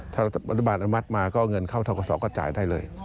ถ้าเราบริบารอำรับมาก็เอาเงินเข้าทำกษรก็จ่ายได้เลย